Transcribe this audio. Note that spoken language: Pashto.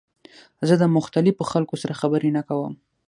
زه د مختلفو خلکو سره خبرې نه کوم.